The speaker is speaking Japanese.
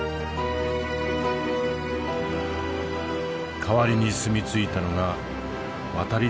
代わりに住み着いたのが渡り鳥たち。